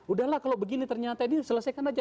udah lah kalau begini ternyata ini selesaikan aja